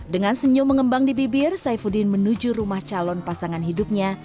dengan senyum mengembang di bibir saifuddin menuju rumah calon pasangan hidupnya